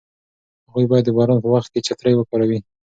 هغوی باید د باران په وخت کې چترۍ وکاروي.